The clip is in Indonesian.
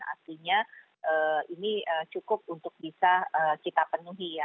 artinya ini cukup untuk bisa kita penuhi ya